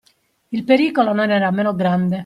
Il pericolo non era meno grande.